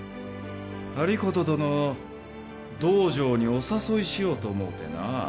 有功殿を道場にお誘いしようと思うてな。